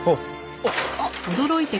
あっ！